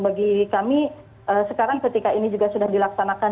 bagi kami sekarang ketika ini juga sudah dilaksanakan